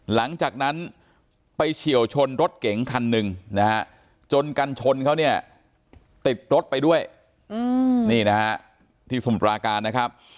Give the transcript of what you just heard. หลังจากนั้นไปเฉียวชนรถเก๋งคันหนึ่งนะฮะจนกันชนเขาเนี่ยติดรถไปด้วยนี่นะฮะที่สมุทราการนะครับ